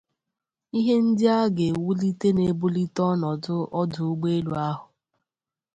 ihe ndị aga-ewulite na ebulite ọnọdụ ọdụ ụgbọelu ahụ."